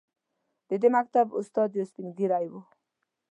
د دې مکتب استاد یو سپین ږیری و.